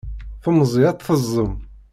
Temẓi ad tt-teẓẓem.